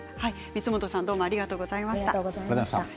光本さんどうもありがとうございました。